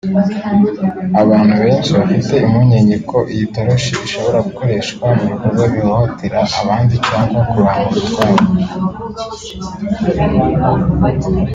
abantu benshi bafite impungenge ko iyi toroshi ishobora gukoreshwa mu bikorwa bihohotera abandi cyangwa kubambura utwabo